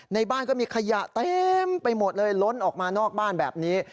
ในบ้านก็มีขยะเต็มไปหมดเลยล้นออกมานอกบ้านแบบนี้